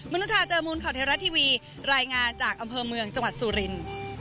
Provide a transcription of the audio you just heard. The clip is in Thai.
นุชาเจอมูลข่าวเทราะทีวีรายงานจากอำเภอเมืองจังหวัดสุรินทร์